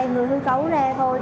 người hư cấu ra thôi